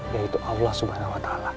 yaitu allah swt